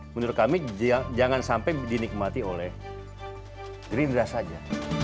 menurut kami jangan sampai dinikmati oleh gerindra saja